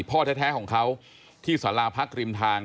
พ่อแท้ของเขาที่สาราพักริมทาง